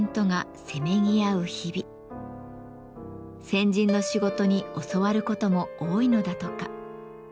先人の仕事に教わることも多いのだとか。